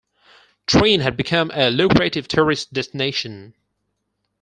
Treen had become a lucrative tourist destination.